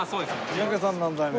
三宅さん何代目？